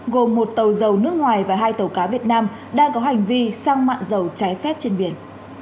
gồm một tàu dầu nước ngoài và hai tàu cá việt nam đang có hành vi sang mạng dầu trái phép trên biển